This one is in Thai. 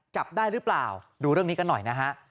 จับได้หรือเปล่าดูเรื่องนี้กันหน่อยนะฮะ